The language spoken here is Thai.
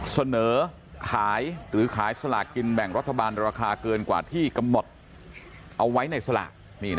เสนอขายหรือขายสลากกินแบ่งรัฐบาลราคาเกินกว่าที่กำหนดเอาไว้ในสลาก